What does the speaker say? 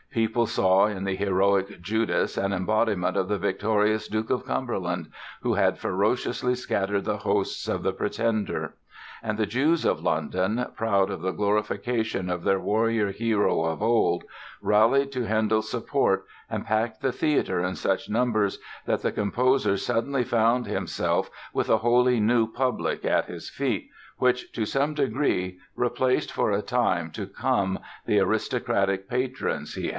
People saw in the heroic Judas an embodiment of the victorious Duke of Cumberland, who had ferociously scattered the hosts of the Pretender. And the Jews of London, proud of the glorification of their warrior hero of old, rallied to Handel's support and packed the theatre in such numbers that the composer suddenly found himself with a wholly new public at his feet, which to some degree replaced for a time to come the aristocratic patrons he had lost. [Illustration: HANDEL'S HOUSE, 1875.